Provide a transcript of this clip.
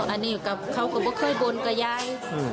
อ๋ออันนี้เขาก็เคยบนกับยาย